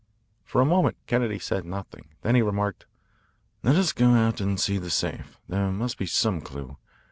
For a moment Kennedy said nothing. Then he remarked: "Let us go out and see the safe. There must be some clue.